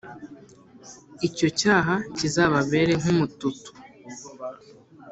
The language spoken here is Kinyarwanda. icyo cyaha kizababere nk’umututu